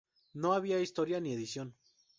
No había historia ni edición.